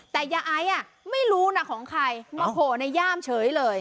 แต่ยาไอ้อ่ะไม่รู้นะของใครโหในย่ามเฉยเลย